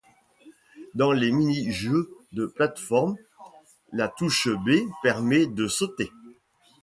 Dans les mini-jeux de plateforme, la touche B permet de sauter.